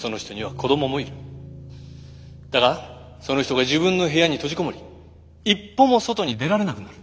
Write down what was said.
だがその人が自分の部屋に閉じこもり一歩も外に出られなくなる。